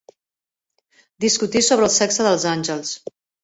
Discutir sobre el sexe dels àngels.